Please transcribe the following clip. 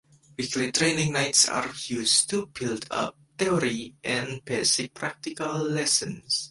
Weekly training nights are used to build up theory and basic practical lessons.